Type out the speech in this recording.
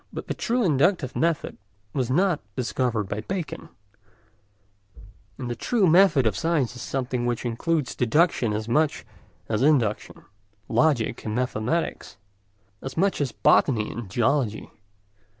But the true inductive method was not discovered by Bacon, and the true method of science is something which includes deduction as much as induction, logic and mathematics as much as botany and geology.